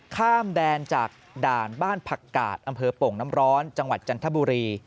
ข้ามแดนจากด่านบ้านผักกาดอำเภอโป่งน้ำร้อนจังหวัดจันทบุรี